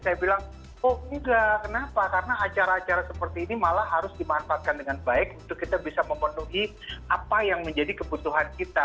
saya bilang oh enggak kenapa karena acara acara seperti ini malah harus dimanfaatkan dengan baik untuk kita bisa memenuhi apa yang menjadi kebutuhan kita